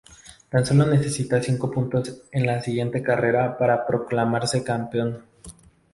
Tan solo necesita cinco puntos en la siguiente carrera para proclamarse campeón.